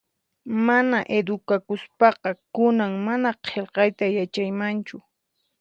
Mana edukakuspaqa kunan mana qillqayta yachaymanchu